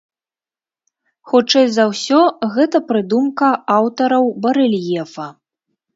Хутчэй за ўсё, гэта прыдумка аўтараў барэльефа.